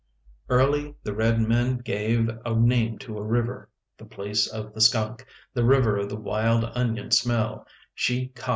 Early the red men gave a name to a river, the place of the skunk, the river of the wild onion smell, Shee caw go.